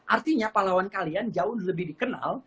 artinya pahlawan kalian jauh lebih dikenal